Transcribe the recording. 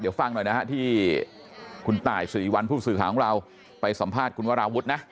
เดี๋ยวฟังหน่อยนะฮะที่คุณตายสิริวัลผู้สื่อข่าวของเราไปสัมภาษณ์คุณวราวุฒินะ